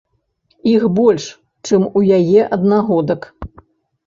Іх больш, чым у яе аднагодак.